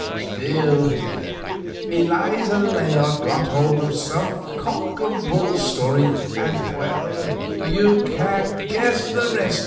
Still, Eliza Layard got hold of some cock and bull tale, and you can guess the rest."